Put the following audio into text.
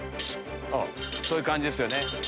そういう感じですよね。